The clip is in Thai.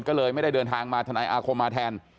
ก็เลยไม่ได้เดินทางมาทนายอาคมมาแทน